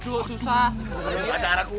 gue punya garak lagi